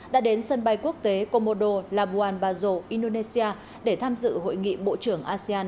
đã đến sân bay quốc tế comodo labuan bajo indonesia để tham dự hội nghị bộ trưởng asean